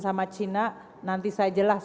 sama china nanti sajalah